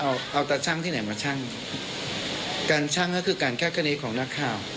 เอาเอาตาชั่งที่ไหนมาชั่งการชั่งก็คือการแค่กรณีของนักข่าว